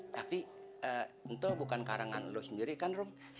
tapi itu bukan karangan lo sendiri kan rom